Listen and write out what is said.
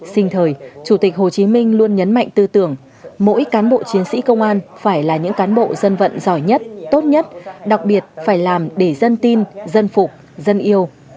sinh thời chủ tịch hồ chí minh luôn nhấn mạnh tư tưởng mỗi cán bộ chiến sĩ công an phải là những cán bộ dân vận giỏi nhất tốt nhất đặc biệt phải làm để dân tin dân phục dân yêu